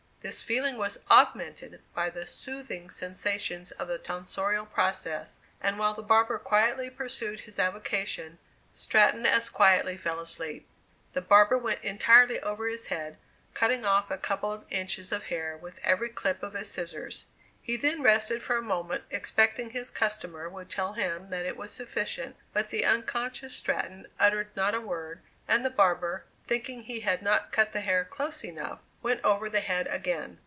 This feeling was augmented by the soothing sensations of the tonsorial process, and while the barber quietly pursued his avocation, Stratton as quietly fell asleep. The barber went entirely over his head, cutting off a couple of inches of hair with every clip of his scissors. He then rested for a moment; expecting his customer would tell him that it was sufficient; but the unconscious Stratton uttered not a word, and the barber, thinking he had not cut the hair close enough, went over the head again.